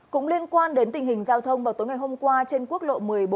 cũng liên quan đến tình hình giao thông vào tối ngày hôm qua trên quốc lộ một mươi bốn